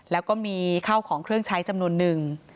แล้วก็มีข้าวของเครื่องใช้จำนวนนึง